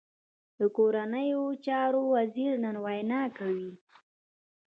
د کورنیو چارو وزیر نن وینا کوي